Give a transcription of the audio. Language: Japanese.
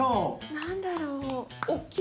何だろう？